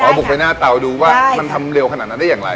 บุกไปหน้าเตาดูว่ามันทำเร็วขนาดนั้นได้อย่างไร